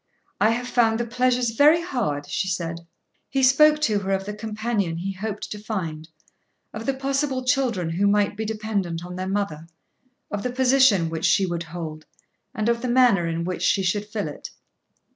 "I have found the pleasures very hard," she said. He spoke to her of the companion he hoped to find, of the possible children who might be dependent on their mother, of the position which she would hold, and of the manner in which she should fill it.